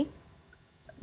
dalam berita ini